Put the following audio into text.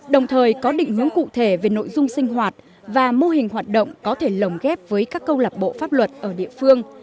đồng thời có định hướng cụ thể về nội dung sinh hoạt và mô hình hoạt động có thể lồng ghép với các câu lạc bộ pháp luật ở địa phương